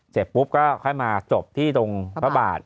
เสร็จปุ๊บก็ค่อยมาจบที่ตรงพระบาท